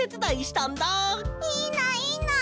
いいないいな！